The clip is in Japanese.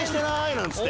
なんつって。